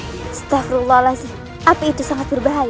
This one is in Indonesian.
astagfirullahaladzim api itu sangat berbahaya